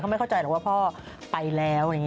ไม่เข้าใจหรอกว่าพ่อไปแล้ว